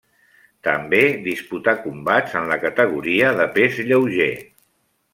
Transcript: També disputà combats en la categoria de pes lleuger.